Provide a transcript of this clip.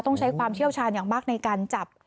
ต้องใช้ความเชี่ยวชาญอย่างมากในการจับ